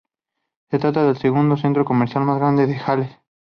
Se trata del segundo centro comercial más grande de Gales.